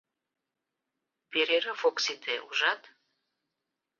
Перерыв ок сите, ужат?